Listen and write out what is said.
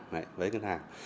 đấy với ngân hàng